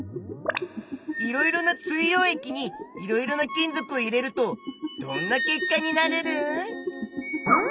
いろいろな水よう液にいろいろな金属を入れるとどんな結果になるルン？